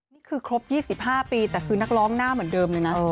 นี่คือครบ๒๕ปีแต่คือนักร้องหน้าเหมือนเดิมเลยนะ